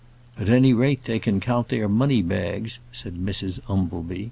"At any rate, they can count their money bags," said Mrs Umbleby.